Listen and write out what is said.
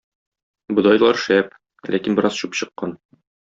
Бодайлар шәп, ләкин бераз чүп чыккан.